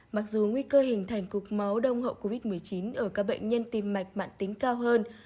mặc dù nguy cơ hình thành cục máu đông hậu covid một mươi chín ở các bệnh nhân tim mạch mạn tính cao hơn